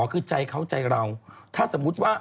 คือใจเขาใจเราถ้าสมมุติว่า